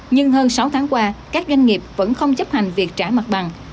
nhưng hơn sáu tháng qua các doanh nghiệp vẫn không chấp hành việc trả mặt bằng